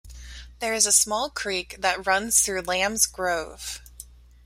There is a small creek that runs though Lambs Grove.